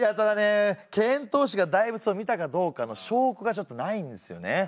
遣唐使が大仏を見たかどうかの証拠がちょっとないんですよね。